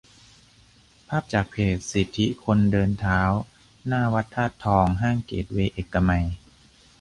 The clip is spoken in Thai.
ภาพจากเพจ สิทธิคนเดินเท้า - หน้าวัดธาตุทอง ห้างเกตเวย์เอกมัย